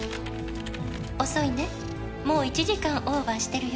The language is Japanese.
「遅いねもう１時間オーバーしてるよ」